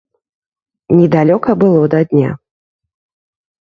Недалёка было да дня.